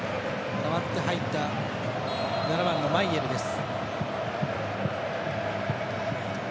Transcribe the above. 代わって入った７番のマイエルです。